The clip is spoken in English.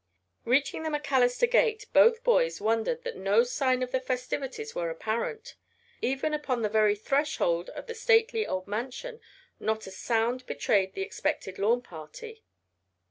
Reaching the MacAllister gate both boys wondered that no sign of the festivities were apparent. Even upon the very threshold of the stately old mansion not a sound betrayed the expected lawn party.